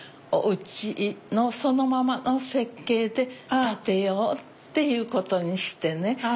おうちのそのままの設計で建てようっていうことにしてね。